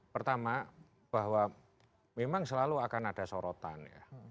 pertama bahwa memang selalu akan ada sorotan ya